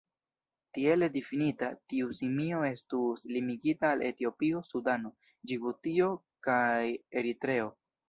Tiele difinita, tiu simio estus limigita al Etiopio, Sudano, Ĝibutio kaj Eritreo.